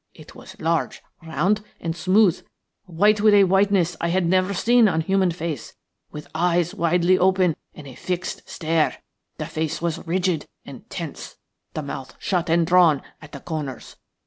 It was large, round, and smooth, white with a whiteness I had never seen on human face, with eyes widely open, and a fixed stare; the face was rigid and tense; the mouth shut and drawn at the corners.